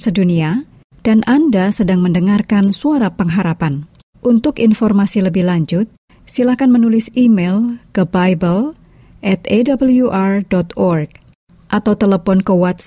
salam dan doa kami menyertai anda sekalian